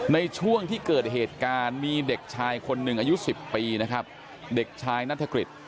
ในช่วงที่เกิดเหตุการณ์มีเด็กชายคนหนึ่งอายุ๑๐ปีนะครับเด็กชายนัฐกฤษ